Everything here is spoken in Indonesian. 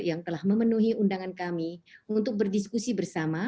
yang telah memenuhi undangan kami untuk berdiskusi bersama